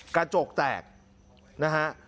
กระจกแตกนะฮะ